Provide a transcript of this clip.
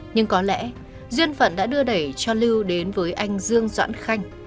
nhưng có lẽ duyên phận đã đưa đẩy cho lưu đến với anh dương doãn khanh